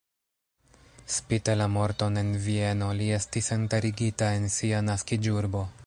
Spite la morton en Vieno li estis enterigita en sia naskiĝurbo.